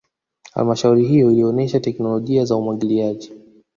halmashauri hiyo ilionesha teknolojia za umwagiliaji